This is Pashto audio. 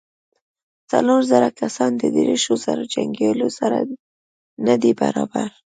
څلور زره کسان له دېرشو زرو جنګياليو سره نه دې برابر.